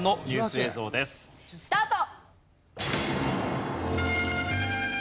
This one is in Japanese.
スタート！